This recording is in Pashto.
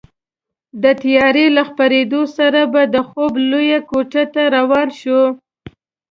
د تیارې له خپرېدو سره به د خوب لویې کوټې ته روان شوو.